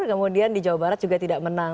kemudian di jawa barat juga tidak menang